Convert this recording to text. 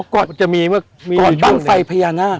ก่อนบั้งไฟพญานาค